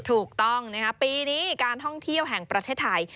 ถูกต้องปีนี้การท่องเที่ยวแห่งประเทศไทย